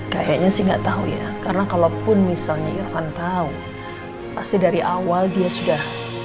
kayaknya sih nggak tahu ya karena kalaupun misalnya irfan tahu pasti dari awal dia sudah